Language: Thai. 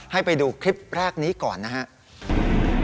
ให้ไปดูคลิปแรกนี้ก่อนนะครับ